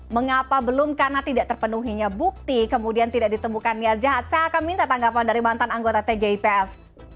mengapa belum karena tidak terpenuhinya bukti kemudian tidak ditemukan niat jahat saya akan minta tanggapan dari mantan anggota tgipf